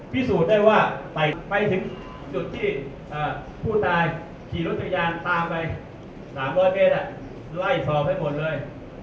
พิสูจน์ได้ว่าไปถึงจุดที่ผู้ตายขี่รถจักรยานตามไป๓๐๐เมตรไล่สอบให้หมดเลย